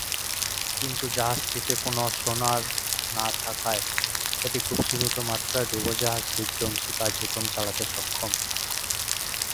কিন্তু জাহাজটিতে কোন সোনার না থাকায় এটি খুব সীমিত মাত্রায় ডুবোজাহাজ-বিধ্বংসী কার্যক্রম চালাতে সক্ষম।